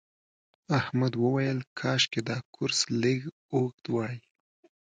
احمد وویل کاشکې دا کورس لږ اوږد وای.